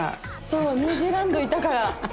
そうニュージーランドいたから。